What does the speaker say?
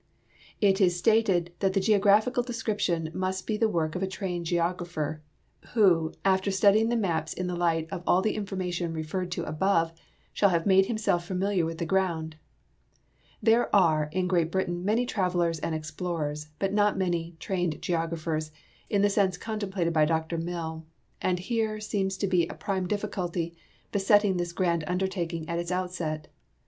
It is stated that the geographical description " must be the work of a trained geographer, who, after studying the maps in the light of all the information referred to above, shall have made himself familiar with the ground." There are in Great Britain man}^ travelers and explorers, but not many " trained geographers " in the sense contemplated by Dr Mill, and here seems to be a prime difficulty besetting this grand undertaking at its outset.